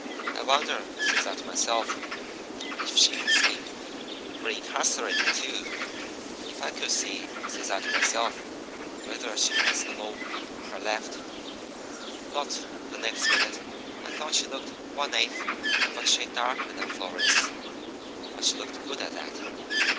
'I wonder,' says I to myself, 'if she has been reincarcerated, too? If I could see,' says I to myself, 'whether she has a mole on her left ' But the next minute I thought she looked one eighth of a shade darker than Florence; but she looked good at that.